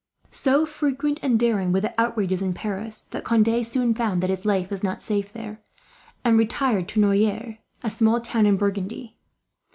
So frequent and daring were the outrages, in Paris, that Conde soon found that his life was not safe there; and retired to Noyers, a small town in Burgundy.